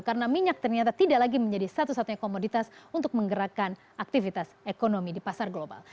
karena minyak ternyata tidak lagi menjadi satu satunya komoditas untuk menggerakkan aktivitas ekonomi di pasar global